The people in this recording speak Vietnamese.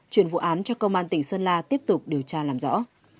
chuyển vụ án cho công an tỉnh sơn la tiếp tục điều tra làm rõ